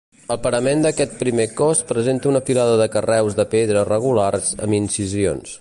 El parament d'aquest primer cos presenta una filada de carreus de pedra regulars amb incisions.